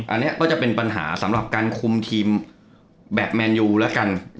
อันนี้ก็จะเป็นปัญหาสำหรับการคุมทีมแบบแมนยูแล้วกัน